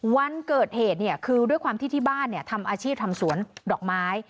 วันเกิดเหตุคือด้วยความที่ที่บ้านทำอาชีพทำสวนดอกไม้